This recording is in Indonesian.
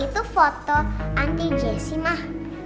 itu foto anti jessi mah